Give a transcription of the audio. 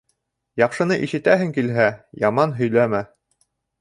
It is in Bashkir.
Яҡшыны ишетәһең килһә, яман һөйләмә.